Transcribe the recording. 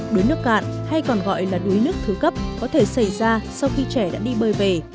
đuối nước cạn hay còn gọi là đuối nước thứ cấp có thể xảy ra sau khi trẻ đã đi bơi về